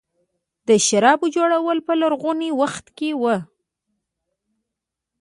د شرابو جوړول په لرغوني وخت کې وو